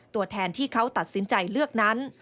ตัวแทนที่เขาตัดสินใจเลือกนั้น